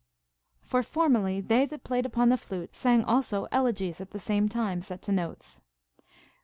For formerly they that played upon the flute sang also elegies at the same time set to notes.